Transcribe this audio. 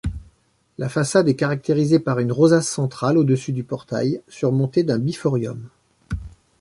La façade est caractérisée par une rosace centrale au-dessus du portail, surmontée d'un biforium.